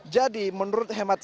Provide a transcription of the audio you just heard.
jadi menurut hemat saham